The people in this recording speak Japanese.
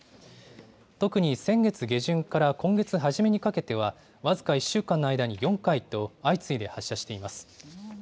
特に先月下旬から今月初めにかけては、僅か１週間の間に４回と、相次いで発射しています。